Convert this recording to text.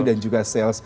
dan juga sales